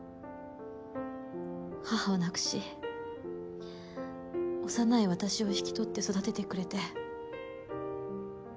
母を亡くし幼い私を引き取って育ててくれて。